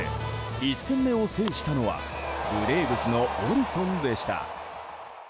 １戦目を制したのはブレーブスのオルソンでした。